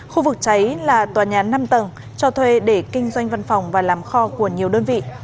khu vực cháy là tòa nhà năm tầng cho thuê để kinh doanh văn phòng và làm kho của nhiều đơn vị